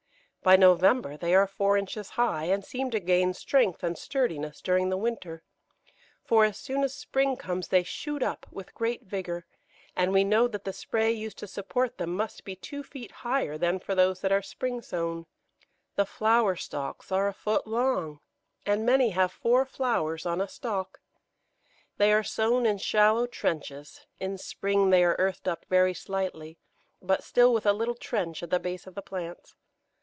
By November they are four inches high, and seem to gain strength and sturdiness during the winter; for as soon as spring comes they shoot up with great vigour, and we know that the spray used to support them must be two feet higher than for those that are spring sown. The flower stalks are a foot long, and many have four flowers on a stalk. They are sown in shallow trenches; in spring they are earthed up very slightly, but still with a little trench at the base of the plants.